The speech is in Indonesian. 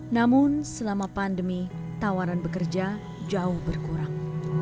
namun selama pandemi tawaran bekerja jauh berkurang